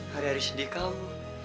hari hari sedih kamu